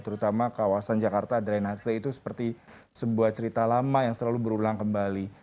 terutama kawasan jakarta drenase itu seperti sebuah cerita lama yang selalu berulang kembali